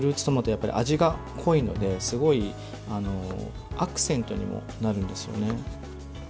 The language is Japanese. やっぱり味が濃いのですごいアクセントにもなるんですよね。